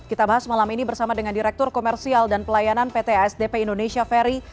kita bahas malam ini bersama dengan direktur komersial dan pelayanan pt asdp indonesia ferry